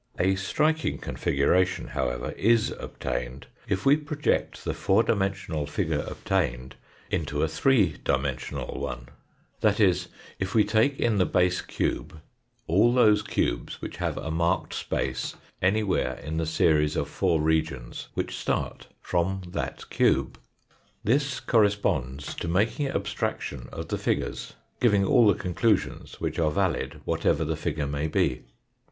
A striking configuration, however, is obtained, if we project the four dimensional figure obtained into a three dimensional one ; that is, if we take in the base cube all those cubes which have a marked space anywhere in the series of four regions which start from that cube. This corresponds to making abstraction of the figures, giving all the conclusions which are valid whatever the figure may be.